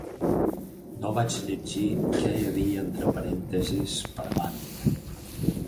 No vaig llegir què hi havia entre parèntesis per mandra.